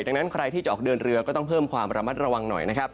ดังนั้นใครที่จะออกเดินเรือก็ต้องเพิ่มความระมัดระวังหน่อยนะครับ